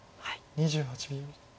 ２８秒。